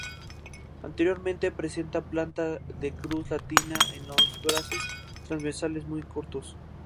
Interiormente presenta planta de cruz latina con los brazos transversales muy cortos.